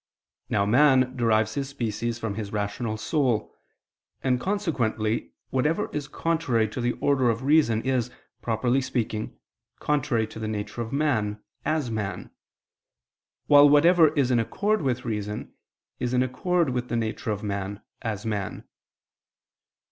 Now man derives his species from his rational soul: and consequently whatever is contrary to the order of reason is, properly speaking, contrary to the nature of man, as man; while whatever is in accord with reason, is in accord with the nature of man, as man.